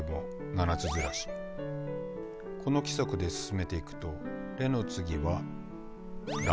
この規則で進めていくと「レ」の次は「ラ」。